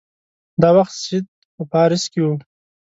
دا وخت سید په پاریس کې وو.